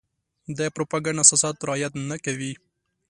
د پروپاګنډ اساسات رعايت نه کوي.